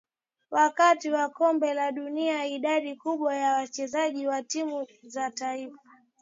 Wakati wa kombe la dunia idadi kubwa ya wachezaji wa timu za taifa